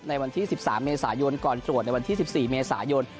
ในวันที่๑๓เมษายนก่อนตรวจในวันที่๑๔เมษายน